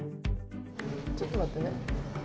ちょっと待ってね。